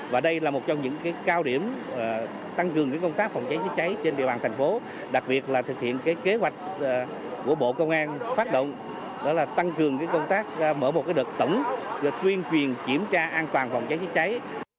và đây là một trong những cao điểm tăng cường công tác phòng cháy chữa cháy trên địa bàn thành phố đặc biệt là thực hiện kế hoạch của bộ công an phát động đó là tăng cường công tác mở một đợt tổng tuyên truyền kiểm tra an toàn phòng cháy chữa cháy